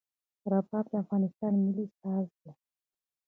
رباب د افغانستان ملي ساز دی.